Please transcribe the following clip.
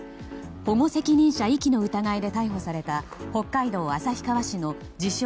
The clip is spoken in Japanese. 保護責任者遺棄の疑いで逮捕された北海道旭川市の自称